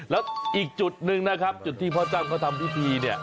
แล้วอีกจุดหนึ่งนะครับจุดที่พ่อจ้ำเขาทำพิธีเนี่ย